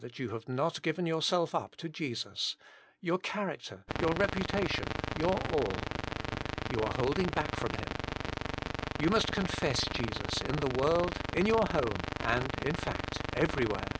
that you have not given yourself up to Jesus ; your character, your repu tation, your all. You are holding back from Him. You must confess Jesus in the world, in your home; and in fact everywhere.